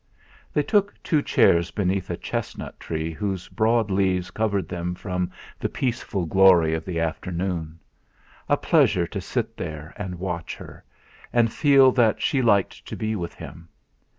They took two chairs beneath a chestnut tree whose broad leaves covered them from the peaceful glory of the afternoon. A pleasure to sit there and watch her, and feel that she liked to be with him.